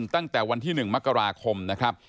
ตั้งแต่วันที่๑มกราคมนะครับ